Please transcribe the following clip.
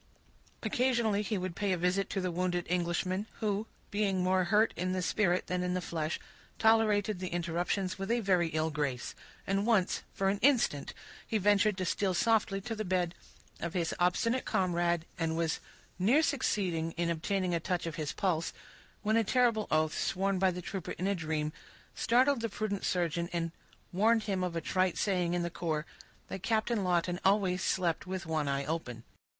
Occasionally he would pay a visit to the wounded Englishman, who, being more hurt in the spirit than in the flesh, tolerated the interruptions with a very ill grace; and once, for an instant, he ventured to steal softly to the bed of his obstinate comrade, and was near succeeding in obtaining a touch of his pulse, when a terrible oath, sworn by the trooper in a dream, startled the prudent surgeon, and warned him of a trite saying in the corps, "that Captain Lawton always slept with one eye open."